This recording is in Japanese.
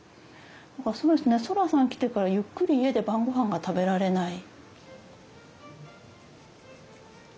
だからそうですねそらさん来てからゆっくり家で晩ごはんが食べられない。